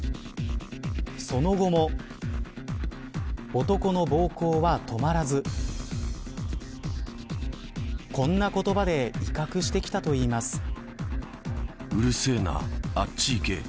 その後も男の暴行は止まらずこんな言葉で威嚇してきたといいます。